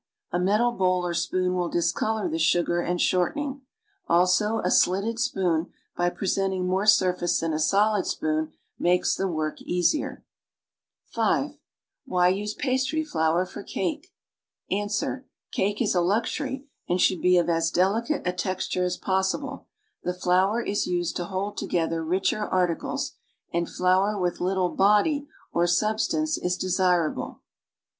A metal bowl or spoon will discolor the sugar and shorten ing; also a slitted spoon, by presenting more surface than a solid spoon, makes the work easier. (3) Why use pastry flour for cake? Ans. Cake is a luxury and should be of as delicate a texture as possible; the flour is used to hold together richer articles, and flour with little "body" or substance is desirable.